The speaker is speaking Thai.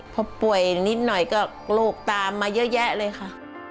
พอป่วยนิดหน่อยก็โรคตามมาเยอะแยะเลยค่ะ